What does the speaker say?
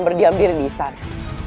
berdiam diri di istana